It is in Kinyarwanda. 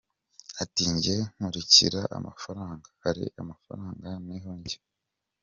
Ati “Njye nkurikira amafaranga, ahari amafaranga niho njya.